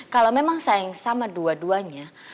kalau memang sayang sama dua duanya